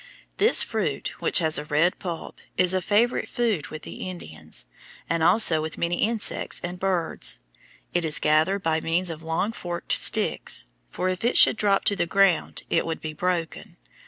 This fruit, which has a red pulp, is a favorite food with the Indians, and also with many insects and birds. It is gathered by means of long forked sticks, for if it should drop to the ground it would be broken.